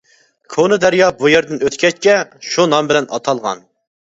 كونا دەريا بۇ يەردىن ئۆتكەچكە، شۇ نام بىلەن ئاتالغان.